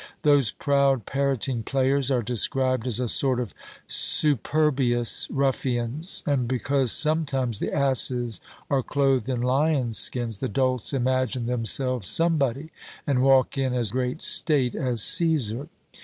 "Those proud parroting players" are described as "a sort of superbious ruffians; and, because sometimes the asses are clothed in lions' skins, the dolts imagine themselves somebody, and walke in as great state as CÃḊsar."